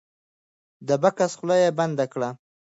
د بکس خوله بنده کړه.